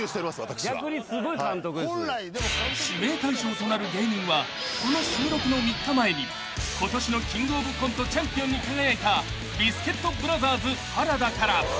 ［指名対象となる芸人はこの収録の３日前にことしのキングオブコントチャンピオンに輝いたビスケットブラザーズ原田から］